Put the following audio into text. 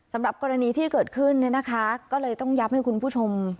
สำหรับกรณีที่เกิดขึ้นเนี่ยนะคะก็เลยต้องย้ำให้คุณผู้ชม